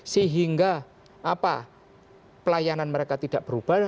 sehingga pelayanan mereka tidak berubah